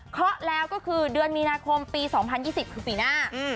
เพราะแล้วก็คือเดือนมีนาคมปีสองพันยี่สิบคือปีหน้าอืม